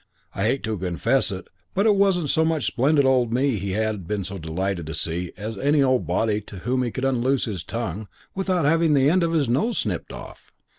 I hate to confess it, but it wasn't so much splendid old me he had been so delighted to see as any old body to whom he could unloose his tongue without having the end of his nose snipped off.